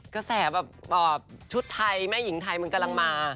กระแสแบบชุดไทยแม่หญิงไทยมันกำลังมา